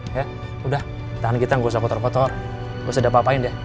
ya udah tahan kita gak usah kotor kotor gak usah dapet apa apain deh